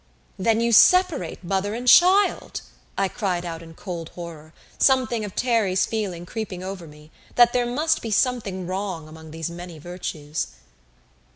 "Then you separate mother and child!" I cried in cold horror, something of Terry's feeling creeping over me, that there must be something wrong among these many virtues.